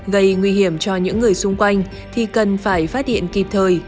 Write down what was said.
gây nguy hiểm cho những người xung quanh thì cần phải phát hiện kịp thời